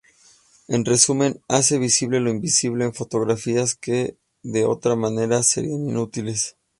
En resumen, hace visible lo invisible en fotografías que de otra manera serían inútiles.